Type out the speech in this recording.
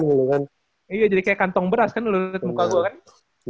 iya jadi kayak kantong beras kan lu liat muka gue kan